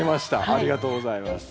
ありがとうございます。